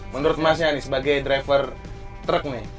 menurut mas nya nih sebagai driver truck nih